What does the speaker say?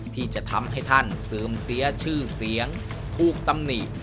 ที่จะทำให้ท่านเสื่อมเสียชื่อเสียงถูกตำหนิ